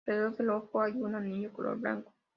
Alrededor del ojo hay una anillo color blanco.